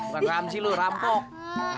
luar ngomong sih lu rampok